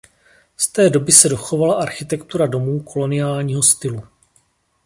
Z té doby se dochovala architektura domů koloniálního stylu.